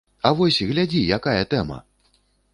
А вось глядзі, якая тэма!